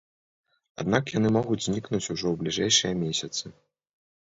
Аднак яны могуць знікнуць ужо ў бліжэйшыя месяцы.